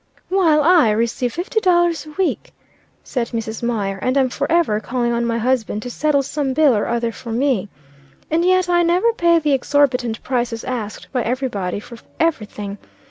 "While I receive fifty dollars a week," said Mrs. Mier, "and am forever calling on my husband to settle some bill or other for me. And yet I never pay the exorbitant prices asked by everybody for every thing.